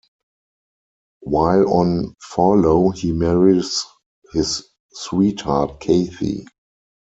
While on furlough he marries his sweetheart Kathy.